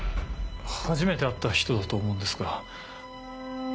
初めて会った人だと思うんですが。